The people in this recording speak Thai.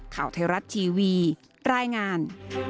ข่าวไทยรัฐทีวีรายงาน